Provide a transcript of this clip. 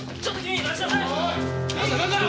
ちょっと君！